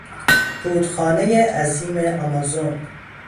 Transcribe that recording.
رودخانهی عظیم آمازون